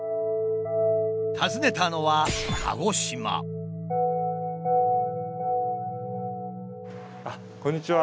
訪ねたのはこんにちは。